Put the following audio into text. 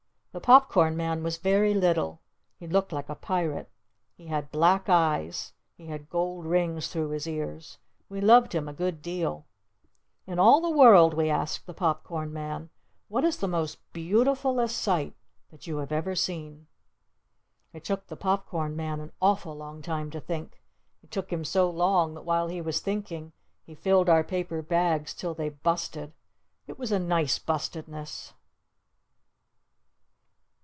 The Pop Corn Man was very little. He looked like a Pirate. He had black eyes. He had gold rings through his ears. We loved him a good deal! "In all the world " we asked the Pop Corn Man, "what is the most beautiful est sight that you have ever seen?" It took the Pop Corn Man an awful long time to think! It took him so long that while he was thinking he filled our paper bags till they busted! It was a nice bustedness!